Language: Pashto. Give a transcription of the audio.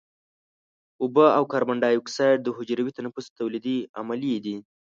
اوبه او کاربن دای اکساید د حجروي تنفس تولیدي عملیې دي.